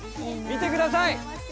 見てください